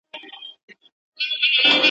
پر آس سپور د پیر بغل ته برابر سو ,